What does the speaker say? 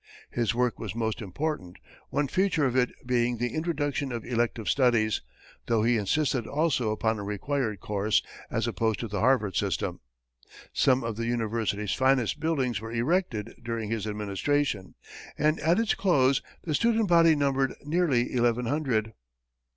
His work was most important, one feature of it being the introduction of elective studies, though he insisted also upon a required course, as opposed to the Harvard system. Some of the University's finest buildings were erected during his administration, and at its close the student body numbered nearly eleven hundred.